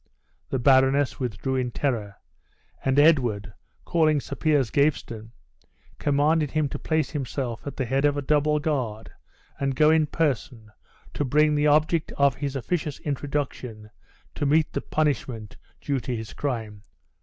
The baroness withdrew in terror; and Edward, calling Sir Piers Gaveston, commanded him to place himself at the head of a double guard, and go in person to bring the object of his officious introduction to meet the punishment due to his crime.